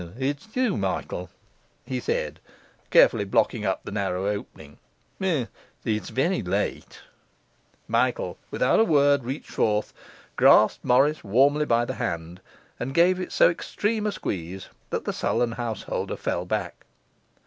'O, it's you, Michael,' he said, carefully blocking up the narrow opening: 'it's very late.' Michael without a word reached forth, grasped Morris warmly by the hand, and gave it so extreme a squeeze that the sullen householder fell back.